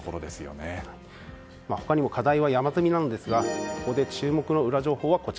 他にも課題は山積みですがここで注目のウラ情報。